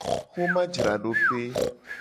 Xomajradope.